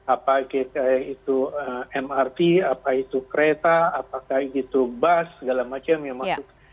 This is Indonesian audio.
apakah itu mrt apa itu kereta apakah itu bus segala macam yang masuk